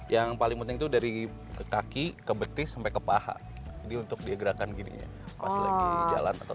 yang paling penting tuh dari ke kaki ke betis sampai ke paha untuk digerakkan gini jalan atau